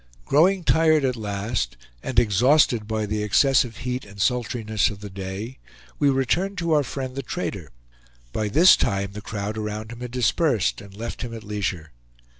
Growing tired at last, and exhausted by the excessive heat and sultriness of the day, we returned to our friend, the trader. By this time the crowd around him had dispersed, and left him at leisure.